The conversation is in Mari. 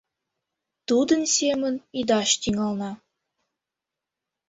Тудын семын ӱдаш тӱҥална.